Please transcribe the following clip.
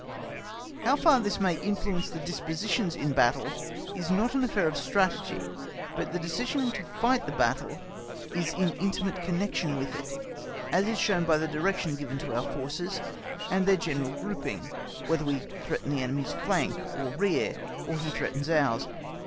How far this may influence the dispositions in the battle is not an affair of Strategy, but the decision to fight the battle is in intimate connection with it, as is shown by the direction given to our forces, and their general grouping, whether we threaten the enemy's flank or rear, or he threatens ours.